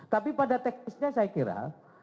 tapi pada teknisnya saya kira